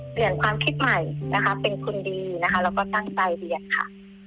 เปลี่ยนความคิดใหม่นะคะเป็นคุณดีนะคะแล้วก็ตั้งใจเรียนค่ะ